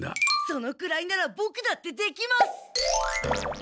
そのくらいならボクだってできます！